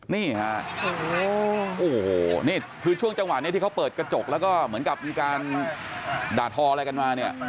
นี่ฮะโอ้โหนี่คือช่วงจังหวะนี้ที่เขาเปิดกระจกแล้วก็เหมือนกับมีการด่าทออะไรกันมาเนี่ย